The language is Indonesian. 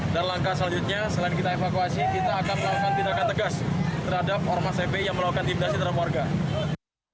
dan langkah selanjutnya selain kita evakuasi kita akan melakukan tindakan tegas terhadap ormas epi yang melakukan intimidasi terhadap keluarga